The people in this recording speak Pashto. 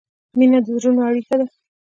مینه د زړونو اړیکه ده.